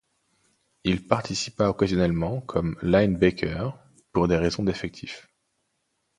Il participa occasionnellement comme linebacker pour des raisons d'effectifs.